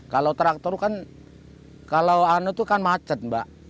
kalau traktor kan kalau anu itu kan macet mbak